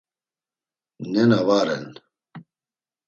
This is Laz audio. Nena va ren.